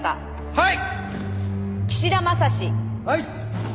はい。